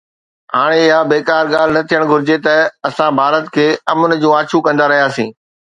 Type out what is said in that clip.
هاڻي اها بيڪار ڳالهه نه ٿيڻ گهرجي ته اسان ڀارت کي امن جون آڇون ڪندا رهياسين.